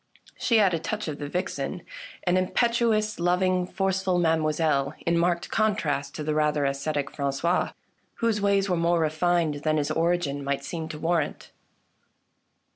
She had a touch of the vixen, an impetuous, loving, forceful mademoiselle, in marked contrast to the rather ascetic Frangois, whose ways were more refined than his origin might seem to warrant.